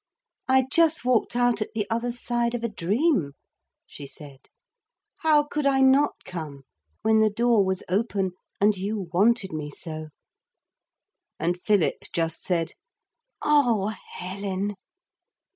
'I just walked out at the other side of a dream,' she said; 'how could I not come, when the door was open and you wanted me so?' And Philip just said, 'Oh, Helen!'